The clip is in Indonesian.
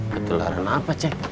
ketularan apa cek